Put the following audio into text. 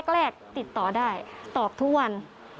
แรกติดต่อได้ตอบทุกวัน